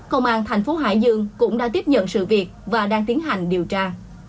công an thành phố hải dương cũng đã tiếp nhận sự việc và đang tiến hành điều tra